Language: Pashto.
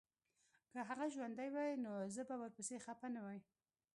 که هغه ژوندی وای نو زه به ورپسي خپه نه وای